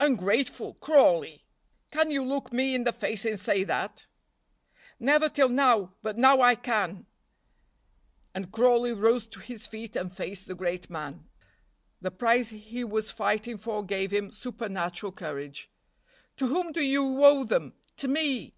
"Ungrateful! Crawley! Can you look me in the face and say that?" "Never till now, but now I can;" and Crawley rose to his feet and faced the great man. The prize he was fighting for gave him supernatural courage. "To whom do you owe them? To me.